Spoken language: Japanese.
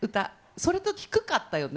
それと低かったよね。